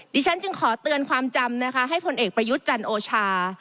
ฉันจึงขอเตือนความจำนะคะให้ผลเอกประยุทธ์จันโอชา